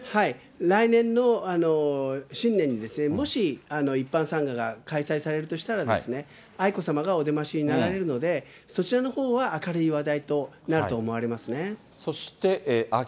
来年の新年に、もし一般参賀が開催されるとしたらですね、愛子さまがお出ましになられるので、そちらのほうは明るい話題になると思いますね。